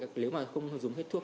nếu mà không dùng hết thuốc